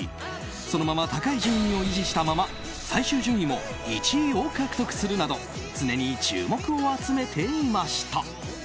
そのまま高い順位を維持したまま最終順位も１位を獲得するなど常に注目を集めていました。